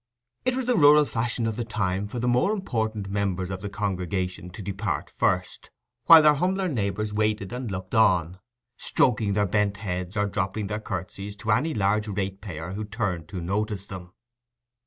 It was the rural fashion of that time for the more important members of the congregation to depart first, while their humbler neighbours waited and looked on, stroking their bent heads or dropping their curtsies to any large ratepayer who turned to notice them.